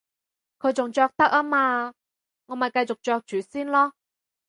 佢仲着得吖嘛，我咪繼續着住先囉